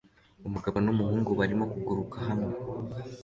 Umugabo n'umuhungu barimo kuguruka hamwe